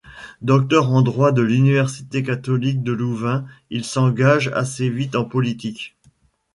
Docteur en droit de l'université catholique de Louvain, il s'engage assez vite en politique.